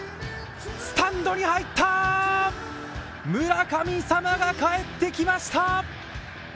スタンドに入った、村神様が帰ってきました。